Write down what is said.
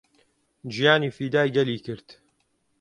گیانی فیدای گەلی کرد